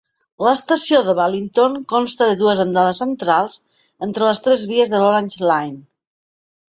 L'estació de Wellington consta de dues andanes centrals entre les tres vies de l'Orange Line.